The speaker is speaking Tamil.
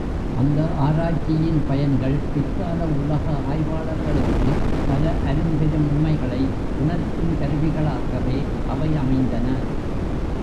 அந்த ஆராய்ச்சியின் பயன்கள், பிற்கால உலக ஆய்வாளர்களுக்கு பல அரும்பெரும் உண்மைகளை உணர்த்தும் கருவிகளாகவே அவை அமைந்தன.